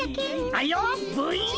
あいよっブイン！